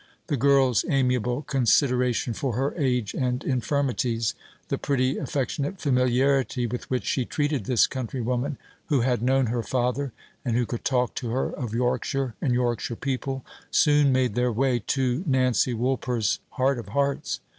The girl's amiable consideration for her age and infirmities; the pretty affectionate familiarity with which she treated this countrywoman, who had known her father, and who could talk to her of Yorkshire and Yorkshire people, soon made their way to Nancy Woolper's heart of hearts.